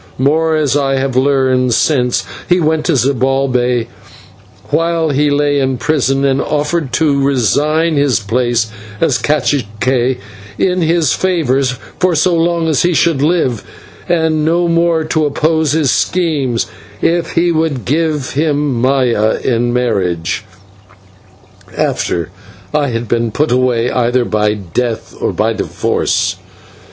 More, as I have learned since, he went to Zibalbay while he lay in prison, and offered to resign his place as /cacique/ in his favour for so long as he should live, and no more to oppose his schemes, if he would give him Maya in marriage after I had been put away either by death or by divorce.